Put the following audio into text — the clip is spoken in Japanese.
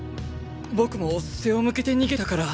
僕も背を向けて逃げたから。